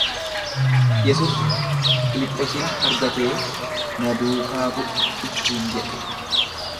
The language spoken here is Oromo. Yesus Filiphosin argatee, Na duukaa bu'i ittiin jedhe.